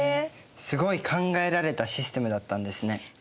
すごい考えられたシステムだったんですね。